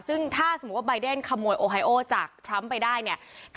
ซึ่งถ้าสมมุติว่าใบเดนขโมยโอไฮโอจากทรัมป์ไปได้เนี่ย